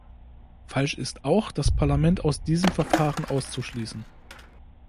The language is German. Falsch ist auch, das Parlament aus diesem Verfahren auszuschließen.